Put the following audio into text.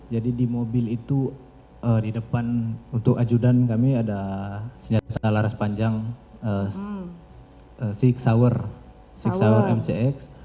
jadi di mobil itu di depan untuk ajudan kami ada senjata laras panjang six hour mcx